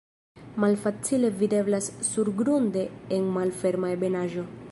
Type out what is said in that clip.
Malfacile videblas surgrunde en malferma ebenaĵo.